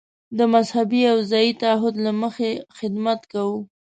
د مذهبي او ځايي تعهد له مخې خدمت کوو.